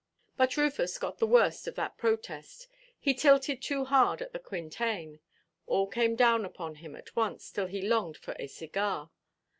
But Rufus got the worst of that protest. He tilted too hard at the quintain. All came down upon him at once, till he longed for a cigar.